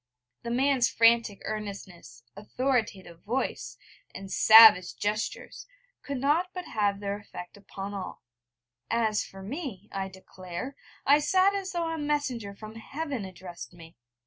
The man's frantic earnestness, authoritative voice, and savage gestures, could not but have their effect upon all; as for me, I declare, I sat as though a messenger from Heaven addressed me.